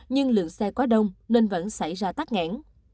nhưng lượng xe quá đông nên vẫn xảy ra tắc nghẹn